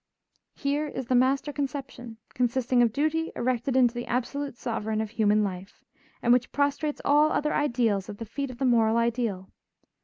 Here is the master conception, consisting of duty erected into the absolute sovereign of human life, and which prostrates all other ideals at the feet of the moral ideal.